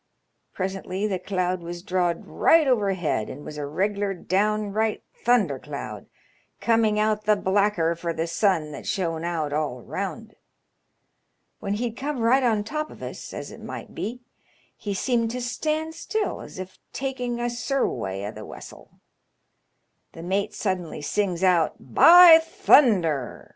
Presently the cloud was drawed right overhead, and was a regular downright thunder cloud, coming out the blacker for the sun that shone out all round. When he'd come right on top of us, as it might be, he seemed to stand still, as if taking a surwey o' th' wesseU The mate suddenly sings out, * By thunder